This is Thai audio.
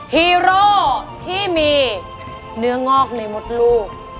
ฮีโร่ที่มีเนื้องอกในมดลูก